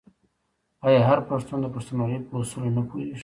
آیا هر پښتون د پښتونولۍ په اصولو نه پوهیږي؟